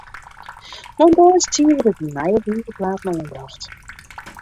Mei in deis as tsien wurde de nije wizerplaten oanbrocht.